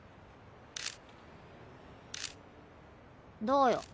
どうよ？